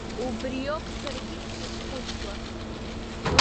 Убриоуп саргьы сзызхәыцуа.